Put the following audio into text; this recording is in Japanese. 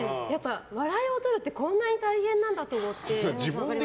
笑いをとるってこんなに大変なんだと思って。